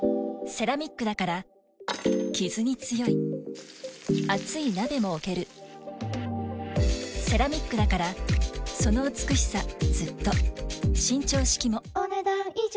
セラミックだからキズに強い熱い鍋も置けるセラミックだからその美しさずっと伸長式もお、ねだん以上。